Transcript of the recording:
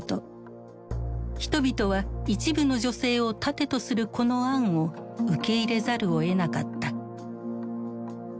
人々は一部の女性を盾とするこの案を受け入れざるをえなかった。